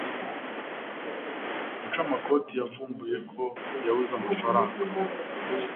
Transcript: Rucamakoti yavumbuye ko yabuze amafaranga.